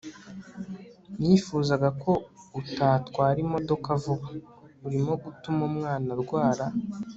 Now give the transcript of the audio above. nifuzaga ko utatwara imodoka vuba. urimo gutuma umwana arwara